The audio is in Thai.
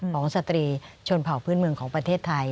สตรีชนเผ่าพื้นเมืองของประเทศไทย